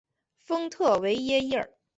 丰特维耶伊尔。